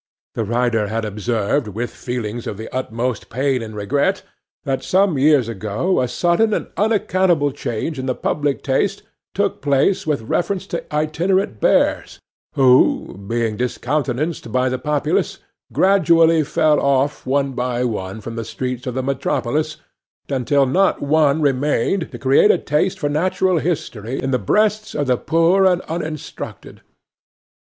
The writer had observed, with feelings of the utmost pain and regret, that some years ago a sudden and unaccountable change in the public taste took place with reference to itinerant bears, who, being discountenanced by the populace, gradually fell off one by one from the streets of the metropolis, until not one remained to create a taste for natural history in the breasts of the poor and uninstructed.